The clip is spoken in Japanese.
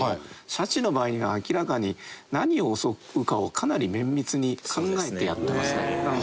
シャチの場合には明らかに何を襲うかをかなり綿密に考えてやってますね。